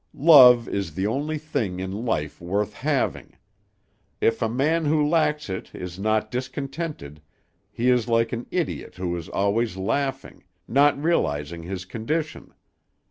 Love is the only thing in life worth having; if a man who lacks it is not discontented, he is like an idiot who is always laughing, not realizing his condition.